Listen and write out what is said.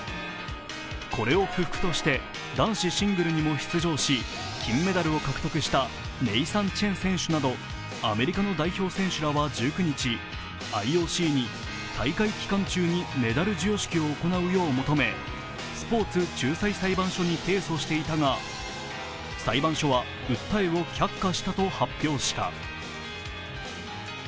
これを不服として、男子シングルにも出場し、金メダルを獲得したネイサン・チェン選手などアメリカの代表選手らは１９日、ＩＯＣに大会期間中にメダル授与式を行うよう求めスポーツ仲裁裁判所に提訴していたが裁判所は訴えを却下したと発表した。